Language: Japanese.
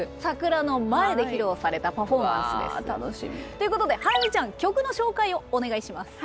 ということでハラミちゃん曲の紹介をお願いします。